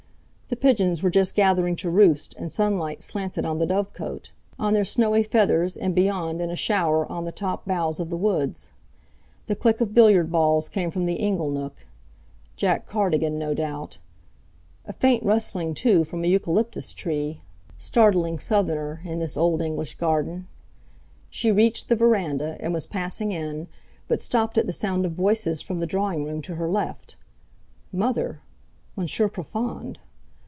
The pigeons were just gathering to roost, and sunlight slanted on the dovecot, on their snowy feathers, and beyond in a shower on the top boughs of the woods. The click of billiard balls came from the ingle nook—Jack Cardigan, no doubt; a faint rustling, too, from an eucalyptus tree, startling Southerner in this old English garden. She reached the verandah and was passing in, but stopped at the sound of voices from the drawing room to her left. Mother! Monsieur Profond!